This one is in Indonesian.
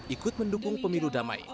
ikut mendukung pemilu damai